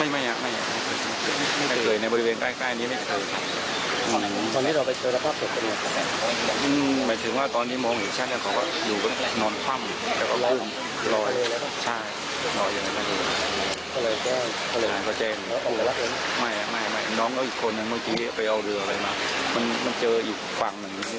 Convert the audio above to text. เมื่อกี้ไปเอาเรืออะไรมามันเจออีกฝั่งเหมือนแบบนี้